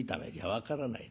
分からない